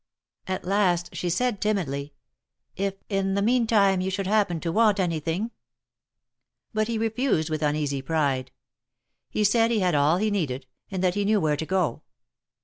At last she said, timidly : "If in the meantime you should happen to want any thing —" But he refused with uneasy pride ; he said he had all he needed, and that he knew where to go.